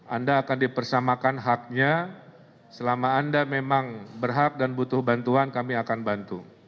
anda akan dipersamakan haknya selama anda memang berhak dan butuh bantuan kami akan bantu